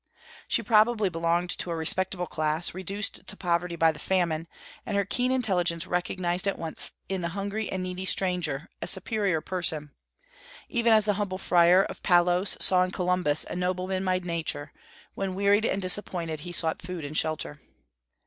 She probably belonged to a respectable class, reduced to poverty by the famine, and her keen intelligence recognized at once in the hungry and needy stranger a superior person, even as the humble friar of Palos saw in Columbus a nobleman by nature, when, wearied and disappointed, he sought food and shelter.